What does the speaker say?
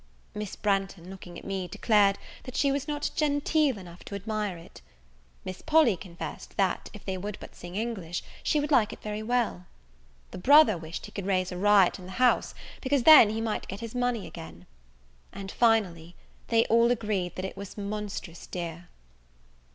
Miss Branghton, looking at me, declared, that she was not genteel enough to admire it. Miss Polly confessed, that, if they would but sing English, she would like it very well. The brother wished he could raise a riot in the house, because then he might get his money again. And, finally, they all agreed that it was monstrous dear.